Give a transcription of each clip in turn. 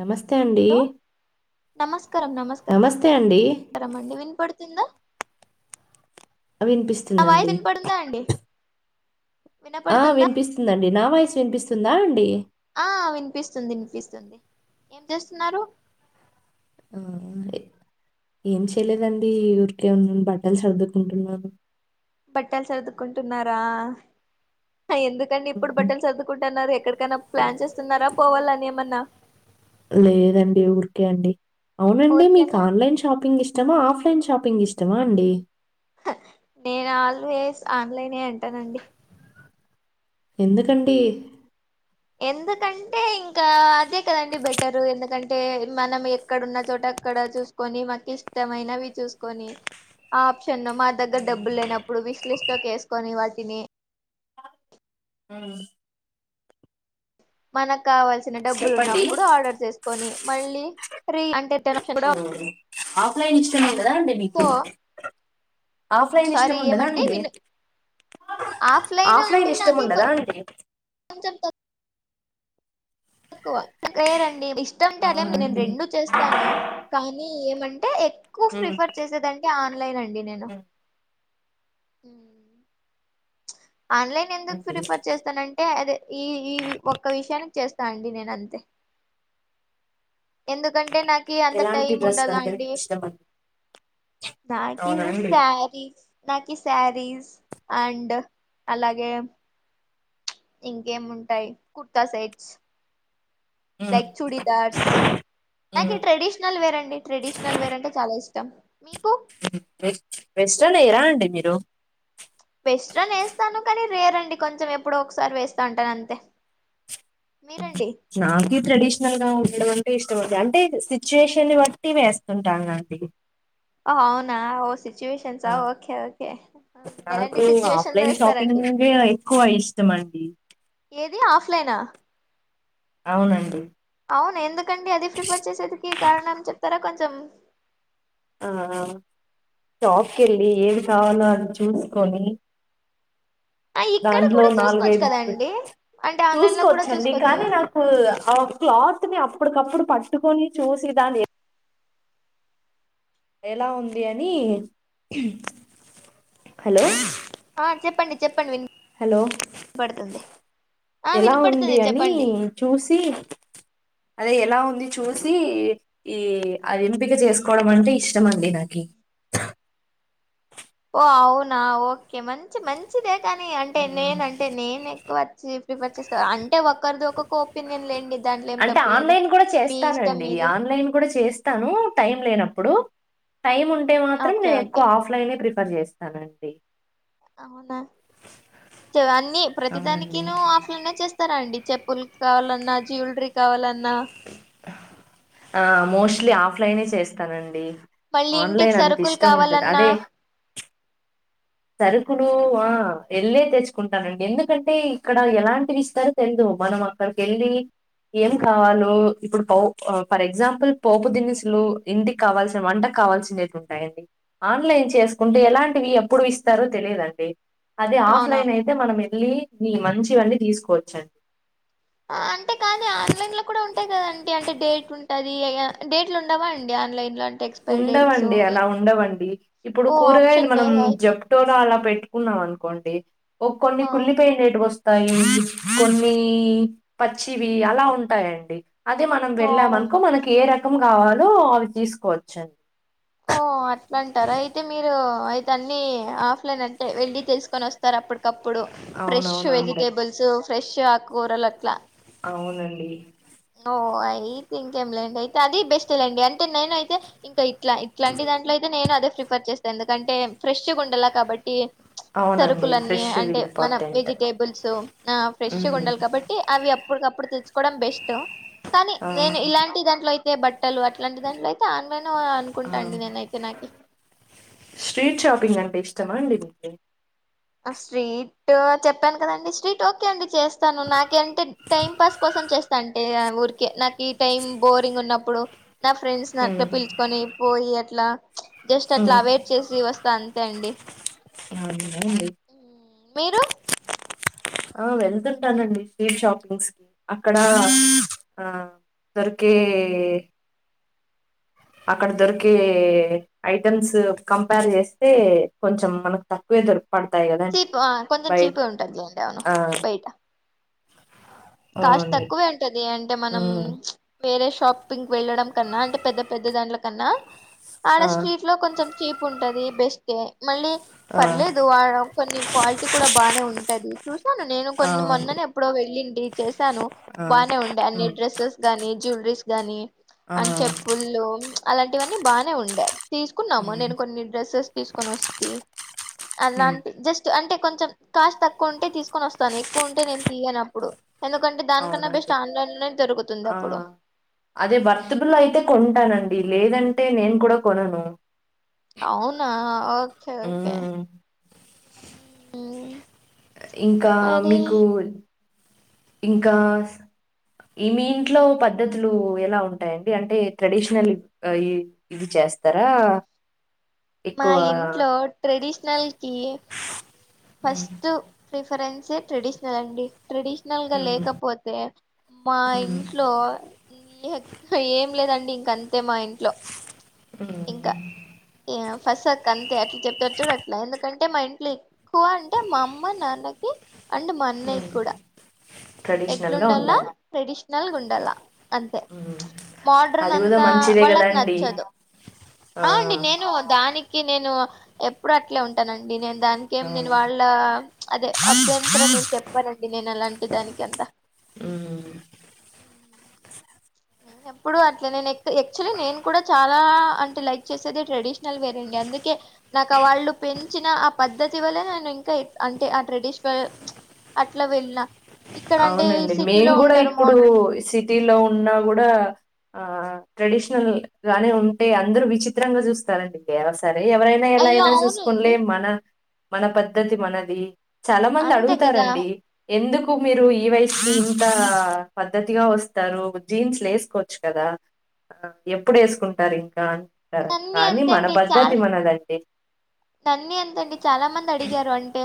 నమస్తే అండి హలో నమస్కారం నమస్కారం నమస్తే అండి మకారం అండి వినపడుతుందా ఆ, వయిస్ వినిపిస్తుందండి వినపడిందా అండి ఆ వినపడుతుందా వినిపిస్తుందండి నా వాయిస్ వినిపిస్తుందా అండి ఆ వినిపిస్తుంది వినిపిస్తుంది ఏం చేస్తున్నారు ఆ ఏం చేయలేదండి ఊరికే ఉన్నాను బట్టల్ సర్దుకుంటున్నాను బట్టల్ చర్దుకుంటున్నారా ఎందుకండి ఇప్పుడు ఉమ్, బట్టలు చర్దుకుంటున్నారు ఎక్కడికైనా ప్లాన్ చేస్తున్నారా పోవాలని ఏమన్నా లేదండి ఊరికే అండి అవునండి మీకు ఊరికేనా ఆన్లైన్ షాపింగ్ ఇష్టమా ఆఫ్లైన్ చాపింగ్ ఇష్టమా అండి అ నేను ఆల్వేస్ ఆన్లైనే అంటానండి ఎందుకండి ఎందుకంటే ఇంకా అదే కదండి బెటరు ఎందుకంటే మనం ఎక్కడన్న చోట అక్కడ చూసుకొని మాక్ ఇష్టమైన చూసుకొని ఆప్షన్ మా దగ్గర డబ్బులు లేనప్పుడు విశ్లిష్ోేసుకొని వాటిని మ్ మనక్ కావాల్సిన డబ్బులు చెప్పండి ఉన్నప్పుడు ఆర్డర్ చేసుకొని మళ్ళీ ఫ అంట ఎక్ష [unintelligible] ఉమ్, ఆఫ్లైన్ ఇష్టమే కదా అండి మీకు ఆఫ్లైన్ సారీ ఇష్టము ఉండదా ఏమండి అండి విను ఆఫ్లైన్ అంటే నాకి ఇష్టముండదా ఆంటీ ఎక్కువ లేదండి ఇష్టం ఉంటే అట్లేం అవునా నేను అండి రెండు చేస్తాను కానీ ఏమ అంటే ఎక్కువ ఉమ్. ప్రిఫర్ చేసేదంటే ఆన్లైన్ అండి నేను ఉమ్, మ్ ఆన్లైన్ ఎందుకు అండి ప్రిఫర్ చేస్తానంటే అదే ఈ ఈ ఒక్క విషయానికి చేస్తా తనండి నేనంతే ఎందుకంటే నాకి అంత ఎలాంటి టైం డ్రెస్లు ఉండదు అంటే అంటీ మీకు ఇష్టం అండి నాకి సారీస్ నాకి శారీస్ అండ్ అలాగే ప్చ్ ఇంకేముంటాయి కుర్తా సైట్స్ మ్మ్ లైక్ చూడిదార్స్ నాకే మ్మ్ ట్రెడిషనల్ వేర్ అండి ట్రెడిషనల్ వేర్ అంటే చాలా ఇష్టం మీకు వేస్ట్ వెస్టర్న్ ఏయరా అండి మీరు వెస్ట్రన్ ఏస్తాను కానీ రేర్ అండి కొంచెం ఎప్పుడ ఒకసారి వేస్తా ఉంటాను అంతే ప్చ్ మీరండి నాకి ట్రెడిషనల్ గా ఉండడం అంటే ఇష్టమంండి అంటే సిచ్యువేషన్ బట్టి వేస్తుంటానండి హో అవునా ఓ సిచ్యువేషన్స్ ఆ ఓకే ఓకే ఎలాంటి సిచ్యువేషన్ లో వేస్తారండి లేహేంగా ఎక్కువ ఇష్టం అండి ఏది ఆఫ్లైనా అవునండి ఔనా ఎందుకండి అది ప్రిఫర్ చేసేదానికి కారణం చెప్తారా కొంచెం ఆ షాప్ కి వెళ్ళి ఏమి కావాలో అని చూసుకొని ఆ ఇక్కడ దాంట్లో కూడా చూసుకోవచ్చు నాలుగైదు కదండి అంటే ఆన్లైన్ లో కూడా చూసుకోవచ్చండి చూసుకోవచ్చు కానీ నాకు ఆ క్లాత్ ని అప్పటికప్పుడు పట్టుకొని చూసి దాన్ని ఎలా ఉంది అని హ్మ్ హలో ఆ చెప్పండి చెప్పండి విని హలో పడుతుంది ఎలా ఉంది అని చూసి అదే ఎలా ఉంది ఎలా ఉంది అని చూసి ఈ అ ఎంపిక చేసుకోవడం అంటే ఇష్టం అండి నాకి [inaudible] ఓ అవునా ఓకే మంచి మంచిదే కాని అంటే మ్మ్. నేన అంటే నేను ఎక్కువ వచ్చి ప్రిఫర్ చేస్తా అ అంటే ఒక్కరిది ఒక్కొక్క ఒపీనియన్ లేండి దాంట్లో ఏం అంటే తప్పలేదు ఆన్లైన్ కూడా మీ ఇష్టం మీది తను టైం లేనప్పుడు టైం ఉంటే మాత్రం ఓకే నేను ఎక్కువ ఓకే ఆఫ్లైనే ప్రిఫర్ చేస్తానండి అవునా చూ అన్ని అవునండి ప్రతిదానికినూ ఆఫ్లోనే చేస్తారా అండి చెప్పులు కావాలన్నా జ్యువలరీ కావాలన్నా ఆ మోస్ట్లీ ఆఫ్లైనే చేస్తానండి మళ్ళీ ఇంటికి ఆన్లైన్ అంత సరుకులు ఇష్టము ఉండదు కావాలన్నా అదే సరుకులు ఆ వెళ్ళే తెచ్చుకుంటానండి ఎందుకంటే ఇక్కడ ఎలాంటివి ఇస్తారో తెలీదు మనం అక్కడకి వెళ్ళి ఏం కావాలో ఇప్పుడు పో ఫర్ ఎగ్జాంపుల్ పోపు దినుసులు ఇంటికి కావాల్సిన వంట కావాల్సిన ఉంటాయండి ఆన్లైన్ చేసుకుంటే ఎలాంటివి ఎప్పుడు ఇస్త ఇస్తారో తెలిదండి అదే అవునా ఆఫ్లైన్ అయితే మనం వెళ్ళి వెళ్లి మంచివన్నీ తీసుకోవచ్చండి ఆ అంటే కానీ ఆన్లైన్ లో కూడా ఉంటాయి కదండి అంటే డేట్ ఉంటది డేట్లు ఉండవా అండి ఆన్లైన్ లో అ ఉండవండి అలా ఉండవండి ఇప్పుడు ఓ కూరగాయలు ఆప్షన్ మనం లేదా అయితే జప్టోలో అలా పెట్టి పెట్టుకున్నాం అనుకోండి ఒక కొన్ని ఆ కుల్లిపోయినయి వస్తు కొన్ని పచ్చివి అలా ఉంటాయండి అది మనం ఓ వెళ్ళామ్ అనుకో మనకి ఏ రకం కావాలో అవి తీసుకోవచ్చ అండి ఓ అట్లా అంటారా అయితే మీరు అయితే అన్ని ఆఫ్లైన్ అంటే వెళ్ళి తెలుకొని వస్తారు అప్పుడు అప్పటికప్పుడు ఫ్రెష్ అవునవునండి వెజిటేబుల్స్ ఫ్రెష్ ఆకుకూరలు అట్లా అవునండి ఓ అయితే ఇంకేం లేండి అయితే అది బెస్ట్లేండి అంటే నేన అయితే ఇంకా ఇట్లా ఇట్లాంటి దాంట్లో అయితే నేను అదే ప్రిఫర్ చేస్తాను ఎందుకంటే ఫ్రెష్ ఉండలా కాబట్టి అవు సరుకులన్నీ అంటే మనం వెజిటేబుల్స్ ఆ ఫ్రెష్ ఉమ్ ఉండాలి కాబట్టి అవి అప్పటికప్పుడు తెచ్చుకోవడం బెస్ట్ కానీ ఆ నేను ఇలాంటి దాంట్లో అయితే బట్ బట్టలు అట్లాంటి దాంట్లో అయితే ఆన్లైన్ ఆ అనుకుంటాండి నేనైతే నాకు స్ట్రీట్ షాపింగ్ అంటే ఇష్ట ఓకే స్ట్రీట్ చెప్పాను కదండి స్ట్రీట్ ఓకే అండి చేస్తాను నాక అంటే టైం పాస్ కోసం చేస్తాం ఏ ఊరికే నాకు ఈ టైం బోరింగ్ ఉన్నప్పుడు నా ఫ్రెండ్స్ని అట్లా ఉమ్ పిలుచుకొని పోయి అట్లా జస్ట్ అట్లా ఉమ్ వెయిట్ చేసి వస్తే తంతే అండి అందడి మీరు ఆ వెళ్తుంటానండి స్ట్రీట్ షాపింగ్స్ కి అక్కడ ఆ దొరికే అక్కడ దొరికే ఐటమ్స్ కంపేర్ చేస్తే కొంచెం మనకు తక్కువే దొరు పడతాయి కద చీప్ కొంచెం బై చీపే ఉంటదిలేండి అవును ఆ బయట కాస్ట్ అవునండి తక్కువే ఉంటది అంటే మనం ఉమ్ చ్ వేరే షాపింగ్ వెళ్ళడం కన్నా అంటే పెద్ద పెద్ద దాంట్ల కన్నా ఆడ ఆ స్ట్రీట్ లో కొంచెం చీప్ ఉంటది బెస్టే మళ్ళీ ఆ పర్లేదు ఆడ కొన్ని క్వాలిటీ కూడా బానే ఉంటది. చూశాను నేను ఆ కొన్ని మొన్ననే ఎప్పుడో వెల్లింటి చేశాను ఆ బానే ఉండే అన్ని ఉమ్ డ్రెస్సెస్ గాని, జ్యువలరీస్ గాని ఆ అని చెప్పుల్లు చ్ అలాంటివన్నీ బానే ఉండే తీసుకున్నాము ఉమ్ నేను కొన్ని డ్రెస్సెస్ తీసుకొని వస్తి ఉమ్ అలాంటి జస్ట్ అంటే కొంచం కాస్ట్ తక్కువ ఉంటే తీసుకొని వస్తాను, ఎక్కువ ఉంటే నేను తీయనుప్పుడు. ఎందుకంటే దానికన్నా బెస్ట్ అవునండి ఆన్లైలోనే దొరుకుతుంది ఆ అప్పుడు అదే ఉమ్. భర్తుకుల్లో అయితే కొంటానండి లేదంటే నేను కూడా కొనును అవునా ఓకే ఓకే ఉమ్ ఊ ఇంకా మీకు ఇంకాస్ ఈ మీ ఇంట్లో పద్ధతులు ఎలా ఉంటాయండి అంటే ట్రెడిషనల్ గఇ చే తేస్తరా మా ఇంట్లో ట్రెడిషనల్ కి హ్మ్. ఫస్ట్ ప్రిఫరెన్స్ ట్రెడిషనల్ అండి ట్రెడిషనల్ గా హ్మ్. లేకపోతే మా హ్మ్. ఇంట్లో నీహ్ ఏం లేదండి ఇంక అంతే మా ఇంట్లో హ్మ్. ఇంక ఎహ్ ఫసక్ అంతే అట్లా చెప్తారు చూడు అట్లా ఎందుకంటే మా ఇంట్లో ఎక్కువ అంటే మా అమ్మ నాన్నకి అంటే మా అన్నయ్య హ్మ్. కూడా ట్రెడిషనల్‌గా ఎట్లుండలా ఉండాలి. ట్రెడిషనల్ గుండలా అంతే హ్మ్. మోడ్రన్ అది గూడా అంతా మంచిదే వాళ్ళక్ గదండీ! నచ్చదు. ఆ అండి నేను దానికి నేను ఎప్పుడు అట్లే ఉంటానండి నేన్ ఆ! దానినికేం నేను వాళ్ళ చ్ అదే అభ్యంతరం నేను చెప్పనండి నేను అలాంటి దానికి అంత ఉమ్ ఎప్పుడు అట్లే నేను యాక్చులీ నేను కూడా చాలా అంటే లైక్ చేసేది ట్రెడిషనల్ వేరండి అందుకే నాకు వాళ్ళు పెంచిన ఆ పద్ధతి వల్ల నేను ఇంకా అంటే ఆ ట్రెడిషవల్ చ్ అట్లా వెళ్ళిన ఇక్కడ అంటే అవునండి మేం సిటీలో గుడా ఉంటారు ఇప్పుడు మోడ్రన్ సిటీ లో ఉన్నా గుడా ఆ ట్రెడిషనల్ గానే ఉంటే అందరు విచిత్రంగా చూస్తారండి అందుకే అసల్ ఎవరైనా ఎలా అయ్యో అయినా చూసుకోనిలే అవునండి మన మన పద్ధతి మనది. చాలా మంది అంతే కదా అడుగుతారండి ఎందుక్ క్కువ మీరు ఈ వయసుకి ఇంత పద్ధతిగా వస్తారు జీన్స్ లేసుకోవచ్చు కదా. ఎప్పుడు వేసుకుంటారు ఇంకా అంటారు నన్ని కానీ అంతే మన అండి చాలా పద్ధతిమనదండి. నన్ని అంతండి చాలా మంది అడిగారు అంటే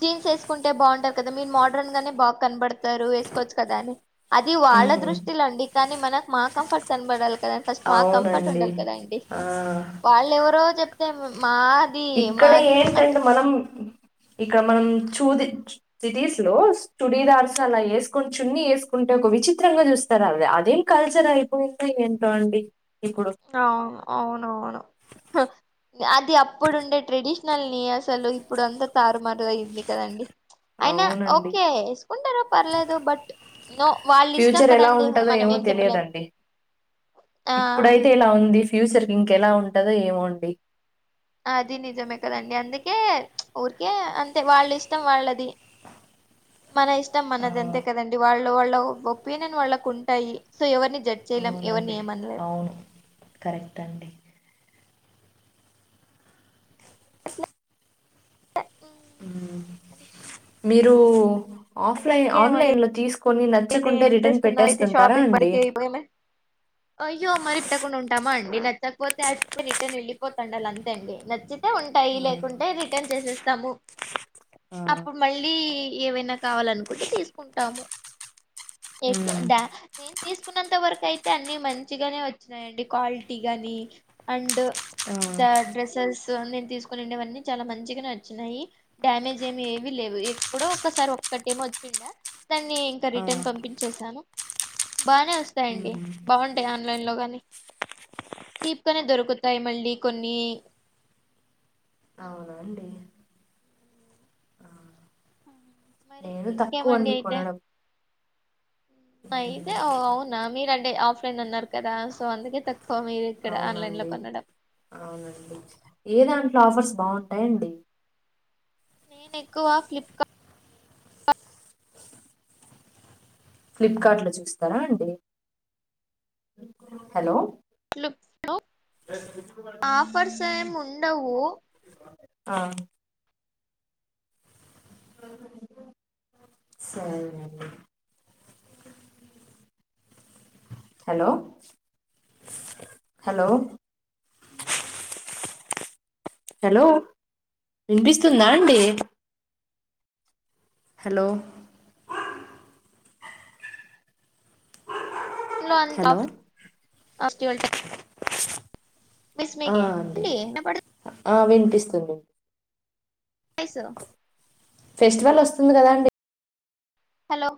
జీన్స్ వేసుకుంటే బావుంటారు కదా మీ మోడర్న్ గానే బా కనబడ తారు వేసుకోవచ్చు కదా అని, అది వాళ్ళ హ్మ్. దృష్టిలో అండి కానీ మనకు మా కంఫర్ట్ కనపడాల కదా ఫస్ట్. మాకు కంఫర్ట్ అవునండి. ఉండాలి కధాండి ఆ! వాళ్ళు ఎవరో చెప్తే మా ఇక్కడ అంటే ఏంటంటే మనం ఇక్కడ మనం చూది సిటీస్ అంటే ఒక విచిత్రంగా చూస్తారు అ అదేం కల్చర్ అయిపోయింద ఏంటో అండి. ఇప్పుడు అవు అవునవును హ్ అది అప్పుడుండే ట్రెడిషనల్ నీ అసలు ఇప్పుడు అంతా తారుమారు అయింది కదండి అయినా అవునండి ఓకే యెసుకుంటారు పర్లేదు బట్ నో వాళ్ళ ఇష్టం ఫ్యూచర్ ఎలా కదండి ఉంటదో మనం ఏమో ఏం చెప్పలేం తెలియదండి ఆ ఇప్పుడైతే ఇలా ఉంది ఫ్యూచర్ ఇంకేలా ఉంటదో ఏమోండి అది నిజమే కదండి అందు కే ఊరికే అంతే వాళ్ళ ఇష్టం వాళ్ళది మన ఇష్టం ఆ మనదంతే కదండి వాళ్ళ వాళ్ళ ఒపీనియన్ వాళ్ళకి ఉంటాయి సో ఎవరిని జడ్జ్ చేయలేం ఎవరిని అవునండి ఏమనలేం అవును కరెక్ట్ అండి అ [inaudible] మీరు అయితే ఆఫ్లైన్ ఇంకేమండి ఆన్లైన్ లో తీస్ అయితే ఏం చేస్తున్నా అయితే షాపింగ్ అండి బరికే అయిపోమే అయ్యో మరి పెట్టకుండా ఉంటామండి నే నచ్చకపోతే అ రిటర్న్ యెళ్ళిపోతాండి అల్ అంతే అండి నచ్చి తే ఉంటాయి ఆ లేకుంటే రిటర్న్ చేసేస్తాము. ఆ అప్పుడు మళ్ళీ ఏవైనా కావాలనుకుంటే తీసుకుంటాము. ఎక్ హ్మ్ డ నేన్ తీసుకున్నంత వరకు అయితే అన్ని మంచిగానే వచ్చినాయండి క్వాలిటీ గాని అండ్ ఆ ద డ్రెసెస్ నేను తీసుకొని ఉండేవన్నీ చాలా మంచిగనే వచ్చినాయి డ్యామేజ్ ఏమి ఏవి లేవు ఎప్పుడో ఒకసారి ఒకటెమో వచ్చిండ దాన్ని ఇంకా ఆ రిటర్న్ పంపించేసాను. బానే వస్తాయండి హ్మ్ బాగుంటాయి ఆన్లైన్ లో గానీ చీప్ గానే దొరుకుతాయి మళ్ళీ కొన్ని అవున అండి ఆ మరి నేను ఇంకేమండి తక్కువండి అయితే కొనడం అయితే హ్మ్ అ అవునా మీరు అంటే ఆఫ్లైన్ అన్నారు కదా సో అందుకే తక్కు అవునండి అవునండి ఏదా ఆఫర్స్ బాగుంటాయండి. నేను ఎక్కువ ఫ్లిప్కార్ట్. ఫ్లిప్కార్ట్ లో చూస్తారా అండి హలో లో ఆఫర్స్ ఏమి ఉండవు. ఆ సరే అండి హలో హలో హలో వినిపిస్తుందా అండి. హలో హలో [unintelligible] [inaudible] ఆ అండి [unintelligible] ఆ వినిపిస్తుంది. వాయిసు ఫెస్టివల్ వస్తుంది గదా అండి హలో